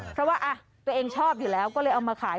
เพราะว่าตัวเองชอบอยู่แล้วก็เลยเอามาขาย